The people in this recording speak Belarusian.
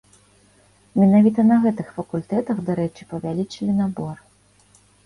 Менавіта на гэтых факультэтах, дарэчы, павялічылі набор.